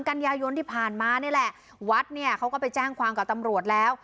กันยายนที่ผ่านมานี่แหละวัดเนี่ยเขาก็ไปแจ้งความกับตำรวจแล้ว